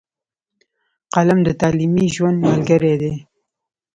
قلم د تعلیمي ژوند ملګری دی.